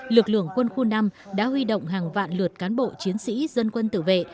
lực lượng quân khu năm đã huy động hàng vạn lượt cán bộ chiến sĩ dân quân tử vệ